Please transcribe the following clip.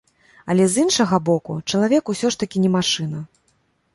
Але з іншага боку, чалавек усё ж такі не машына.